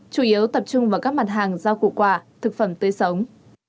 chủ yếu tập trung vào các mặt hàng giao củ quả thực phẩm tươi sống